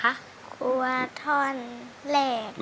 กลัวท่อนแหลก